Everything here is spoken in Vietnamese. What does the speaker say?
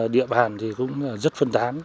địa bàn thì cũng rất phân tán